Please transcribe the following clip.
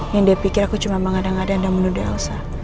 yang dia pikir aku cuma bangada ngadaan dan menuduh elsa